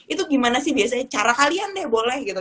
itu gimana sih biasanya cara kalian deh boleh gitu